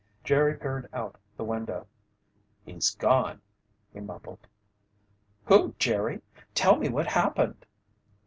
Jerry peered out the window. "He's gone!" he mumbled. "Who, Jerry? Tell me what happened."